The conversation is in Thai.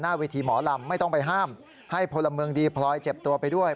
เวทีหมอลำไม่ต้องไปห้ามให้พลเมืองดีพลอยเจ็บตัวไปด้วย